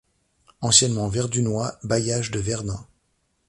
Anciennement Verdunois, bailliage de Verdun.